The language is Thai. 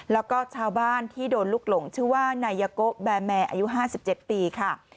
แล้วก็ชาวบ้านที่โดนลุกหลงชื่อว่านายยาโกะแบร์แมร์อายุ๕๗ปีค่ะ